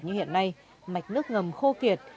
như hiện nay mạch nước ngầm khô kiệt